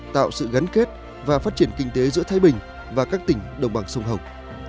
tạo sự gắn kết và phát triển kinh tế giữa thái bình và các tỉnh đồng bằng sông hồng